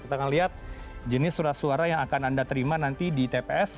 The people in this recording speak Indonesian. kita akan lihat jenis surat suara yang akan anda terima nanti di tps